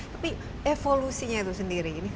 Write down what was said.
tapi evolusinya itu sendiri